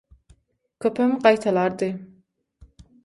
Köpem gaýtalardy.